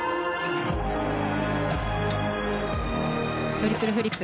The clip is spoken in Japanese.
トリプルフリップ。